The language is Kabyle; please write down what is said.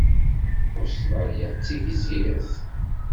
Ustṛalya d tigzirt?